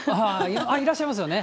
いらっしゃいますよね。